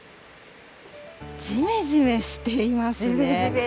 じめじめしていますね。